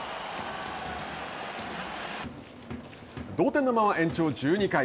同点のまま延長１２回。